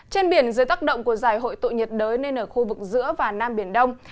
trên biển dưới tác động của giải hội tụ nhiệt đới nên ở khu vực giữa và nam biển đông